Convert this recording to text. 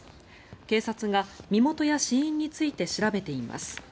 警察が身元や死因について調べています。